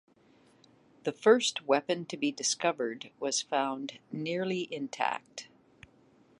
The first weapon to be discovered was found nearly intact.